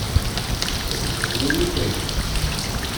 Tseggmem-iyi-tent.